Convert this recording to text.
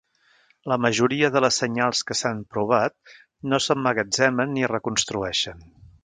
La majoria de les senyals que s'han provat no s'emmagatzemen ni es reconstrueixen.